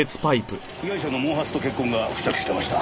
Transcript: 被害者の毛髪と血痕が付着してました。